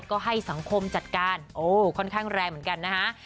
ก็ให้สังคมจัดการโอ้ค่อนข้างแรงเหมือนกันนะฮะ